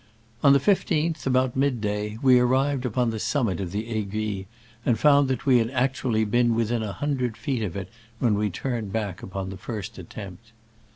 On tlie 15th, about midday, we arrived upon the summit of the aiguille, and found that we had actually been within one hundred feet of it when we turned back upon the first attempt.